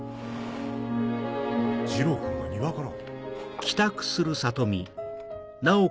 二郎君が庭から。